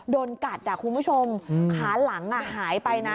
โดนกัดคุณผู้ชมขาหลังหายไปนะ